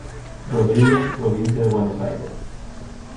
Rodríguez, Provincia de Buenos Aires.